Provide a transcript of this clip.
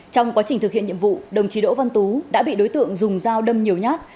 trong quá trình thực hiện nhiệm vụ đồng chí đỗ văn tú đã bị đối tượng dùng dao đâm nhiều nhát